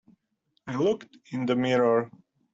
I looked in the mirror.